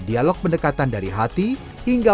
dialog pendekatan dari hati hingga